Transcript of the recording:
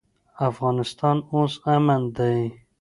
افغانستان اوس امن دی.